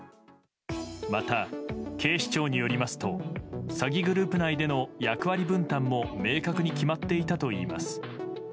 また警視庁によりますと詐欺グループ内での役割分担も明確に決まっていたといいます。